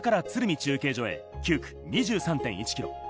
中継所へ９区、２３．１ｋｍ。